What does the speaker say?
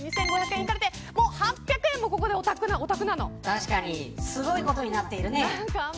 確かにすごいことになっているね。